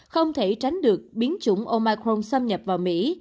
không thể tránh được biến chủng omicron xâm nhập vào mỹ